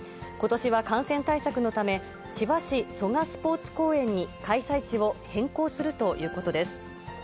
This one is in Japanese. ことしは感染対策のため、千葉市蘇我スポーツ公園に開催地を変更するということです。